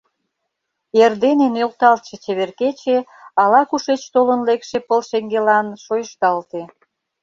Эрдене нӧлталтше чевер кече ала-кушеч толын лекше пыл шеҥгелан шойышталте.